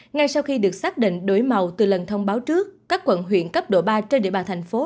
ngay sau khi được xác định đổi màu từ lần thông báo trước các quận huyện cấp độ ba trên địa bàn thành phố